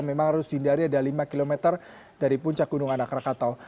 memang harus dihindari ada lima km dari puncak gunung anak rakatau